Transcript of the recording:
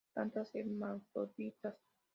Plantas hermafroditas.